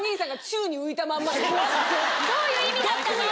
どういう意味だったの？